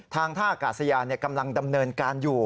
ท่าอากาศยานกำลังดำเนินการอยู่